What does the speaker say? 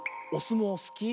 もうすき？